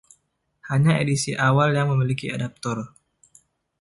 Hanya edisi awal yang memiliki adaptor.